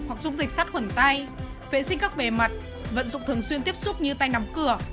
hoặc dung dịch sát khuẩn tay vệ sinh các bề mặt vận dụng thường xuyên tiếp xúc như tay nắm cửa